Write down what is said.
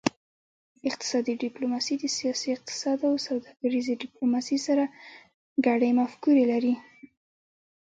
اقتصادي ډیپلوماسي د سیاسي اقتصاد او سوداګریزې ډیپلوماسي سره ګډې مفکورې لري